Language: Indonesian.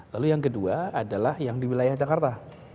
lalu yang kedua adalah yang di wilayah jakarta